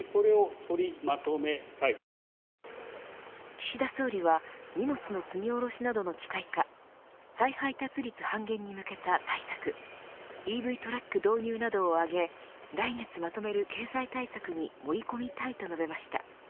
岸田総理は荷物の積み降ろしなどの機械化再配達率半減に向けた対策ＥＶトラック導入などを挙げ来月まとめる経済対策に盛り込みたいと述べました。